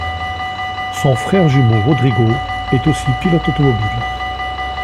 Son frère jumeau Rodrigo est lui aussi pilote automobile.